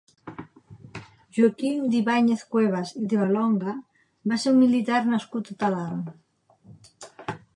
Joaquim d'Ibáñez-Cuevas i de Valonga va ser un militar nascut a Talarn.